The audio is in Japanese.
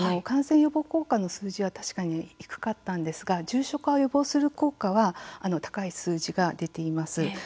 感染予防効果の数字は確かに低かったんですが重症化を予防する効果は高い数字が出ています。